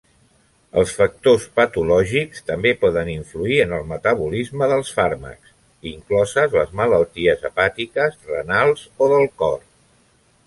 Els "factors patològics" també poden influir en el metabolisme dels fàrmacs, incloses les malalties hepàtiques, renals o del cor.